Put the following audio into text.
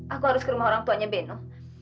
aku harus ke rumah orang tuanya beno